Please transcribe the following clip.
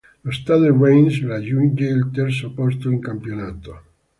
Lo Stade Reims raggiunge il terzo posto in campionato.